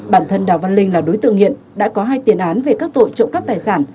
bản thân đào văn linh là đối tượng nghiện đã có hai tiền án về các tội trộm cắp tài sản